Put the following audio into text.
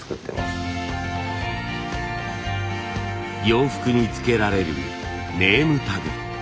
洋服に付けられるネームタグ。